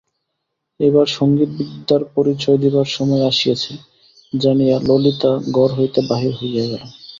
এইবার সংগীতবিদ্যার পরিচয় দিবার সময় আসিয়াছে জানিয়া ললিতা ঘর হইতে বাহির হইয়া গেল।